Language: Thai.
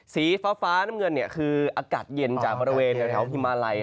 สีฟ้าน้ำเงินคืออากาศเย็นจากฮิมมาลัย